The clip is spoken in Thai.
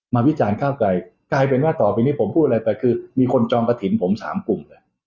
วิจารณ์ก้าวไกลกลายเป็นว่าต่อไปนี้ผมพูดอะไรไปคือมีคนจองกระถิ่นผม๓กลุ่ม